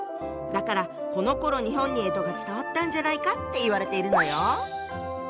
だからこのころ日本に干支が伝わったんじゃないかっていわれているのよ。